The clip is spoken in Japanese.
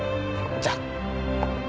じゃあ。